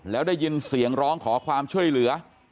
แล้วได้ยินเสียงร้องขอความช่วยเหลือ